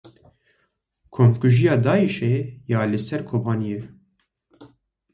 Komkujiya Daişê ya li ser Kobaniyê ye.